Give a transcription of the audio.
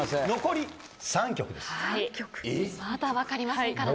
まだ分かりませんからね。